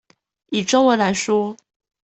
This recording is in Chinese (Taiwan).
以中文來說